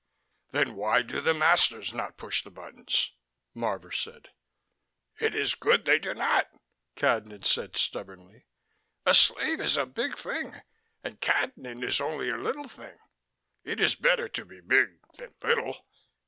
"Then why do the masters not push the buttons?" Marvor said. "It is good they do not," Cadnan said stubbornly. "A slave is a big thing, and Cadnan is only a little thing. It is better to be big than little."